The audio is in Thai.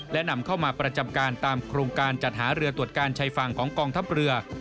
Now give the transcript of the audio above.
และนำเข้ามาประจำการตามโครงการจัดหาเรือตรวจการชายฝั่งของกองทัพเรือ